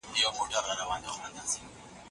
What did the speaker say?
شین چای د هډوکو ورستېدو کموي.